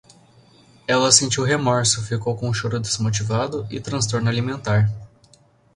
Ela sentiu remorso, ficou com choro desmotivado e transtorno alimentar